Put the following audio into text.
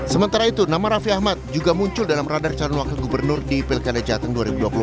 sementara itu nama raffi ahmad juga muncul dalam radar calon wakil gubernur di pilkada jateng dua ribu dua puluh